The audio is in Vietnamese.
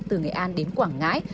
từ nghệ an đến quảng ngãi